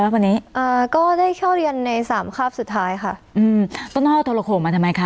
ใครว่าพอเนี้ยอ่าก็ได้เข้าเรียนในสามคาบสุดท้ายค่ะอืมต้นอ้อโทรโขมมาทำไมคะ